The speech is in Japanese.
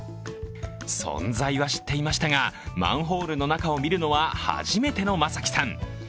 存在は知っていましたが、マンホールの中を見るのは初めての眞輝さん。